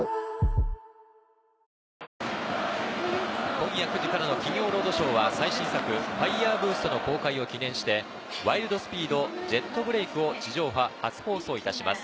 今夜９時からの『金曜ロードショー』は最新作『ファイヤーブースト』の公開を記念して『ワイルド・スピード／ジェットブレイク』を地上波初放送いたします。